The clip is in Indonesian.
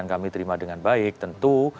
kami terima dengan baik tentu